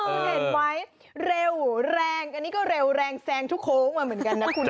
คุณเห็นไว้เร็วแรงอันนี้ก็เร็วแรงแซงทุกโค้งมาเหมือนกันนะคุณนะ